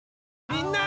みんな！